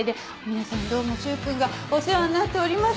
皆さんどうも柊君がお世話になっております。